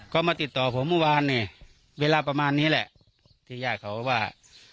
ก็มาติดต่อผมเมื่อวานเนี่ยเวลาประมาณนี้แหละที่ญาติเขาว่า